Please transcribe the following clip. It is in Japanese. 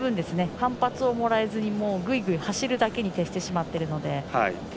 反発をもらえずにグイグイ走るだけに徹してしまっているので。